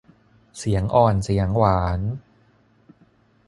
เสียงอ่อนเสียงหวาน